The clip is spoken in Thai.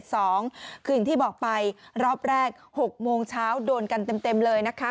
คืออย่างที่บอกไปรอบแรก๖โมงเช้าโดนกันเต็มเลยนะคะ